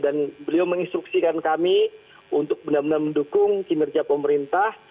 dan beliau menginstruksikan kami untuk benar benar mendukung kinerja pemerintah